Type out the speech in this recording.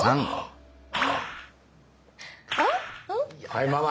はいママ。